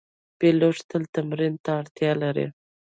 پیلوټ تل تمرین ته اړتیا لري.